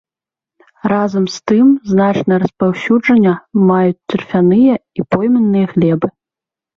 Разам з тым значнае распаўсюджванне маюць тарфяныя і пойменныя глебы.